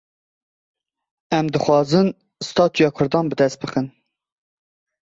Em dixwazin statuya Kurdan bi dest bixin.